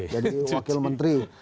jadi wakil menteri